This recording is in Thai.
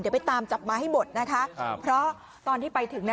เดี๋ยวไปตามจับมาให้หมดนะคะครับเพราะตอนที่ไปถึงนะ